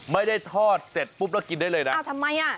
ไม่ได้ทอดเสร็จปุ๊บแล้วกินได้เลยนะอ้าวทำไมอ่ะ